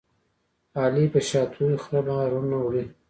علي په شاتوري خره بارونه وړي.